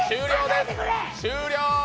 終了！